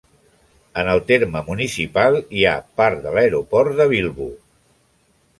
En el terme municipal hi ha part de l'aeroport de Bilbao.